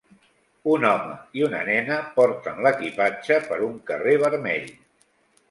Un home i una nena porten l'equipatge per un carrer vermell.